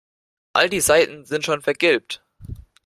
All die Seiten sind schon vergilbt.